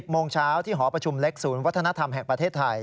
โมงเช้าที่หอประชุมเล็กศูนย์วัฒนธรรมแห่งประเทศไทย